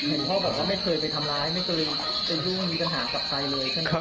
เห็นพ่อแบบว่าไม่เคยไปทำร้ายไม่เคยไปยุ่งมีปัญหากับใครเลยใช่ไหมครับ